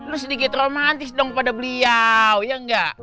lu sedikit romantis dong pada beliau ya nggak